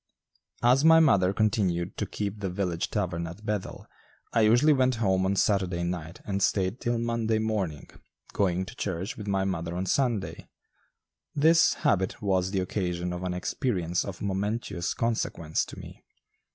As my mother continued to keep the village tavern at Bethel, I usually went home on Saturday night and stayed till Monday morning, going to church with my mother on Sunday. This habit was the occasion of an experience of momentous consequence to me.